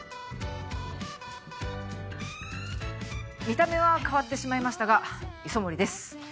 見た目は変わってしまいましたが磯森です。